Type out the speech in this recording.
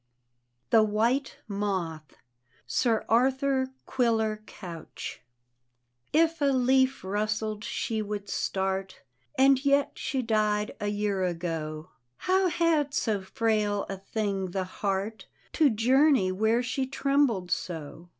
THE WHITE MOTH : sir Arthur quillbr couch If a leaf rustled she would start: And yet she died, a year ago. How had so frail a thing the heart To journey where she trembled so?